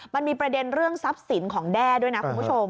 มันมีประเด็นเรื่องทรัพย์สินของแด้ด้วยนะคุณผู้ชม